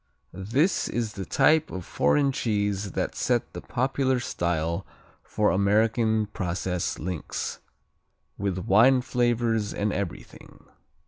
This is the type of foreign cheese that set the popular style for American processed links, with wine flavors and everything.